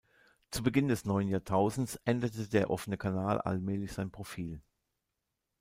Zu Beginn des neuen Jahrtausends änderte der Offene Kanal allmählich sein Profil.